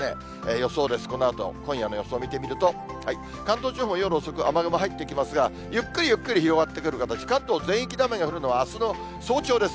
予想です、このあと、今夜の予想を見てみると、関東地方、夜遅く雨雲入ってきますが、ゆっくりゆっくり広がってくる形、関東全域で雨が降るのは、あすの早朝です。